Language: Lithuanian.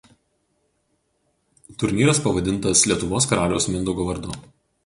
Turnyras pavadintas Lietuvos karaliaus Mindaugo vardu.